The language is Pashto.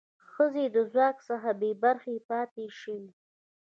ښځې د ځواک څخه بې برخې پاتې شوې.